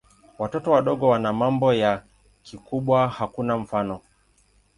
Watoto wadogo wana mambo ya kikubwa hakuna mfano.